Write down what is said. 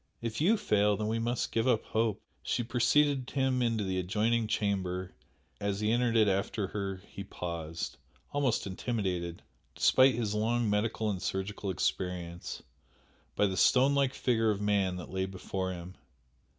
If YOU fail then we must give up hope." She preceded him into the adjoining chamber; as he entered it after her he paused almost intimidated, despite his long medical and surgical experience, by the stone like figure of man that lay before him.